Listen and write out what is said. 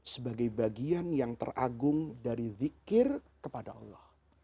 sebagai bagian yang teragung dari zikir kepada allah